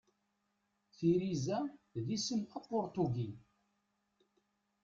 Tiriza d isem apurtugi.